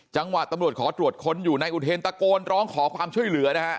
จังหวะตำรวจขอตรวจค้นอยู่ในอุเทนตะโกนร้องขอความช่วยเหลือนะฮะ